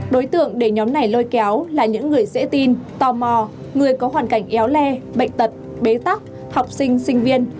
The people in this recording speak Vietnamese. đối tượng để nhóm này lôi kéo là những người dễ tin tò mò người có hoàn cảnh éo le bệnh tật bế tắc học sinh sinh viên